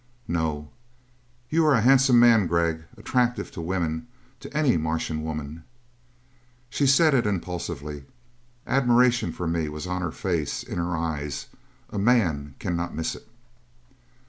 "No. You are a handsome man, Gregg attractive to women to any Martian woman." She said it impulsively. Admiration for me was on her face, in her eyes a man cannot miss it.